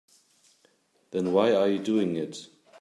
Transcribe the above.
Then why are you doing it?